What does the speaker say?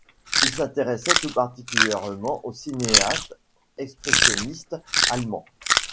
Il s'intéressait tout particulièrement aux cinéastes expressionniste allemand.